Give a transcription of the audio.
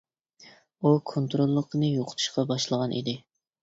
ئۇ كونتروللۇقىنى يوقىتىشقا باشلىغان ئىدى.